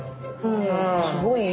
すごいいいここ。